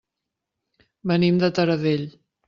Venim de Taradell.